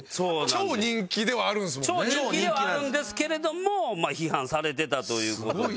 超人気ではあるんですけれどもまあ批判されてたという事で。